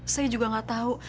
saya juga nggak tahu